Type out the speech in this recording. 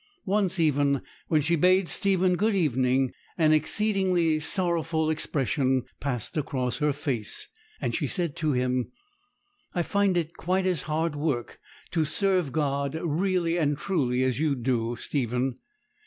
Once, even, when she bade Stephen 'good evening,' an exceedingly sorrowful expression passed across her face, and she said to him, 'I find it quite as hard work to serve God really and truly as you do, Stephen.